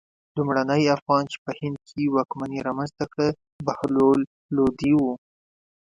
لومړني افغان چې په هند کې واکمني رامنځته کړه بهلول لودی و.